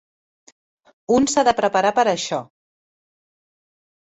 Un s'ha de preparar per a això.